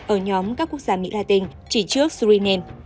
ở nhóm các quốc gia mỹ latin chỉ trước suryen